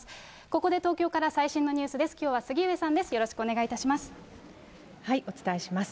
ここで東京から最新のニュースです。